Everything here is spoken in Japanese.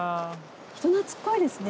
人懐っこいですね